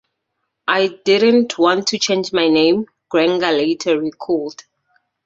I didn't want to change my name, Granger later recalled.